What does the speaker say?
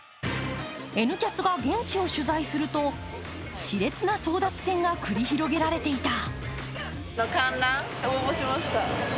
「Ｎキャス」が現地を取材するとしれつな争奪戦が繰り広げられていた。